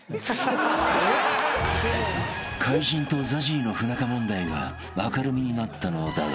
［怪人とＺＡＺＹの不仲問題が明るみになったのだが］